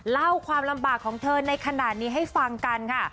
เล่าความลำบากของเธอในขณะนี้ให้ฟังกันค่ะ